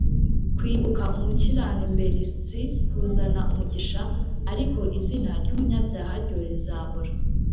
kwibuka umukiranumberstsi kuzana umugisha, ariko izina ry’umunyabyaha ryo rizabora